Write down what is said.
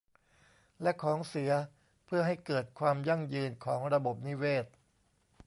และของเสียเพื่อให้เกิดความยั่งยืนของระบบนิเวศ